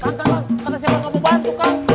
kang kang kang kata siapa kamu bantu kang